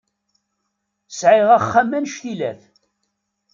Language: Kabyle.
Sɛiɣ axxam annect-ilat.